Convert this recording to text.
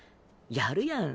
やるやん。